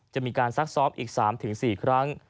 จะมีการซักซ้อมอีก๓๔ครั้ง